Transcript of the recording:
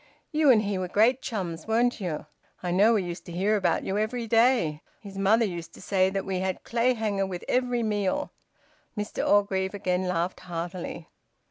"You and he were great chums, weren't you? I know we used to hear about you every day. His mother used to say that we had Clayhanger with every meal." Mr Orgreave again laughed heartily.